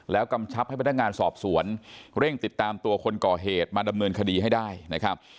กำชับให้พนักงานสอบสวนเร่งติดตามตัวคนก่อเหตุมาดำเนินคดีให้ได้นะครับ